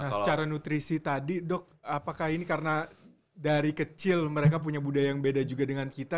nah secara nutrisi tadi dok apakah ini karena dari kecil mereka punya budaya yang beda juga dengan kita